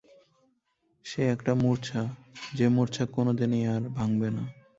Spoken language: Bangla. সে একটা মূর্ছা, যে মূর্ছা কোনোদিনই আর ভাঙবে না।